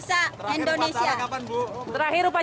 sudah lima belas tahun